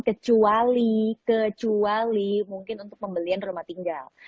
kecuali kecuali mungkin untuk pembelian rumah tinggal